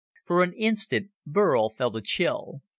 For an instant Burl felt a chill.